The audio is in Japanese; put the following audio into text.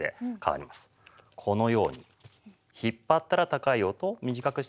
このように引っ張ったら高い音短くしたら低い音。